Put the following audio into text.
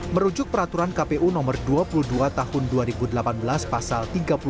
merujuk peraturan kpu nomor dua puluh dua tahun dua ribu delapan belas pasal tiga puluh delapan